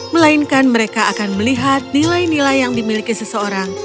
melainkan mereka akan melihat nilai nilai yang dimiliki seseorang